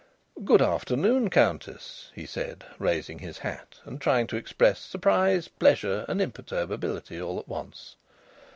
"Good afternoon, Countess," he said, raising his hat, and trying to express surprise, pleasure, and imperturbability all at once.